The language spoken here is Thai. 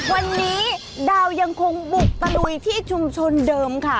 วันนี้ดาวยังคงบุกตะลุยที่ชุมชนเดิมค่ะ